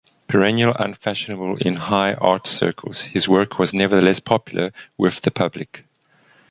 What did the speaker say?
Perennially unfashionable in high art circles, his work was nevertheless popular with the public.